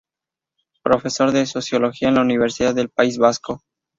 Profesor de sociología en la Universidad del País Vasco.